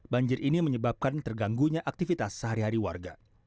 banjir ini menyebabkan terganggunya aktivitas sehari hari warga